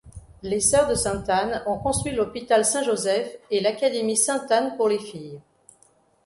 Les sœurs de Sainte-Anne ont construit l'hôpital Saint-Joseph et l'Académie Sainte-Anne pour les filles.